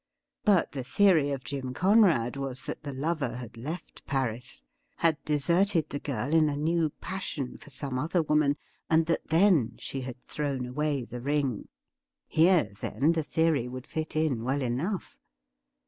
But the theory of Jim Conrad was that the lover had left Paris — ^had deserted the girl in a new passion for some other woman — and that then she had thrown away the ring. Here, then, the theory would fit in well enough.